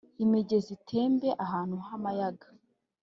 imigezi itembe ahantu h’amayaga.